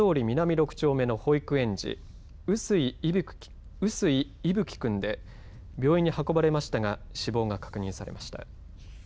６丁目の保育園児臼井聖稀くんで病院に運ばれましたが死亡が確認されました。